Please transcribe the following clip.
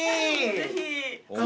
ぜひ。